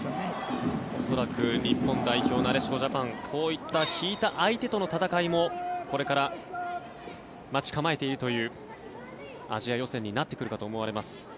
恐らく、日本代表なでしこジャパンこういった引いた相手との戦いもこれから待ち構えているというアジア予選になってくるかと思います。